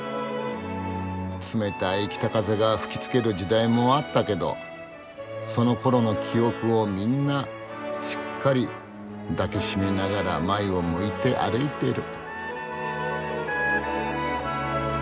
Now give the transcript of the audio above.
冷たい北風が吹きつける時代もあったけどそのころの記憶をみんなしっかり抱き締めながら前を向いて歩いている。